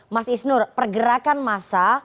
mas isnur pergerakan massa